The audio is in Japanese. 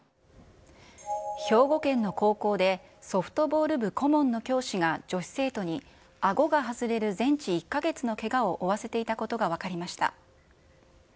兵庫県の高校でソフトボール部顧問の教師が女子生徒にあごが外れる全治１か月のけがを負わせていたことが分かりました。